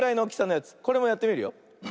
これもやってみるよ。